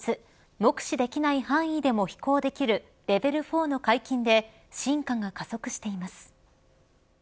目視できない範囲でも飛行できるレベル４の解禁で進化が加速しています。